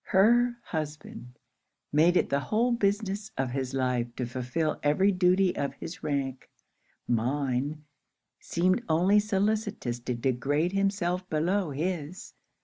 Her husband made it the whole business of his life to fulfill every duty of his rank, mine seemed only solicitous to degrade himself below his.